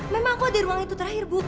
memang aku ada di ruang itu terakhir bu